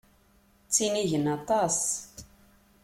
Ttinigen aṭas.